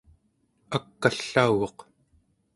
ak'allauguq